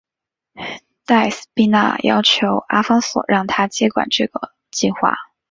黛丝碧娜要求阿方索让她接管这个计画。